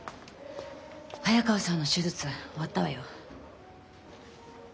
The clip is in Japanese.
早川さんの手術終わったわよ。